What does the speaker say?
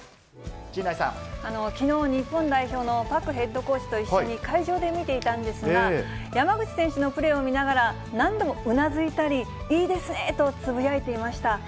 きのう、日本代表のパクヘッドコーチと共に会場で見ていたんですが、山口選手のプレーを見ながら、何度もうなずいたり、いいですねとつぶやいていました。